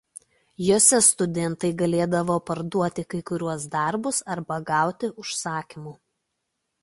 Jose studentai galėdavo parduoti kai kuriuos darbus arba gauti užsakymų.